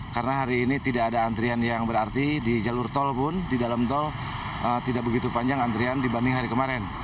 karena hari ini tidak ada antrian yang berarti di jalur tol pun di dalam tol tidak begitu panjang antrian dibanding hari kemarin